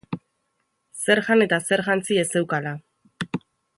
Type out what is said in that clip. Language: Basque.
Zer jan eta zer jantzi ez zeukala.